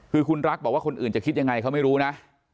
คือคุณรักบอกว่าคนอื่นจะคิดยังไงเขาไม่รู้นะ